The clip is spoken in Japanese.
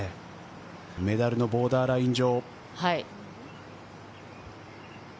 メダルのボーダーライン上。